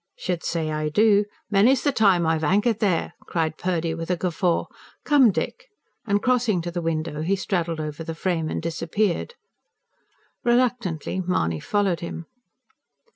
"Should say I do! Many's the time I've anchored there," cried Purdy with a guffaw. "Come, Dick!" And crossing to the window he straddled over the frame, and disappeared. Reluctantly Mahony followed him.